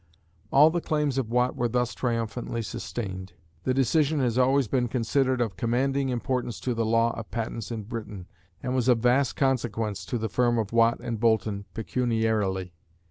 All the claims of Watt were thus triumphantly sustained. The decision has always been considered of commanding importance to the law of patents in Britain, and was of vast consequence to the firm of Watt and Boulton pecuniarily.